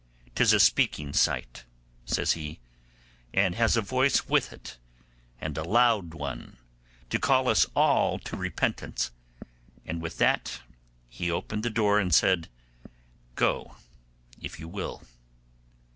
'Tis a speaking sight,' says he, 'and has a voice with it, and a loud one, to call us all to repentance'; and with that he opened the door and said, 'Go, if you will.